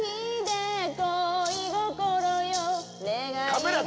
カメラ